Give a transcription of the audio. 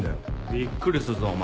びっくりするぞお前。